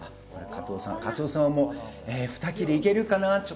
加藤さんは、もう２切れいけるかな？